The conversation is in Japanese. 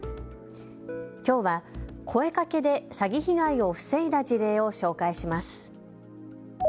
きょうは声かけで詐欺被害を防いだ事例を紹介します。